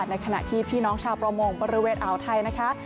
ในขณะที่พี่น้องชาวประมงบริเวณอ่าวไทยนะคะ